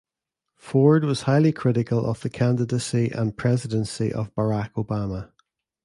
Ford was highly critical of the candidacy and presidency of Barack Obama.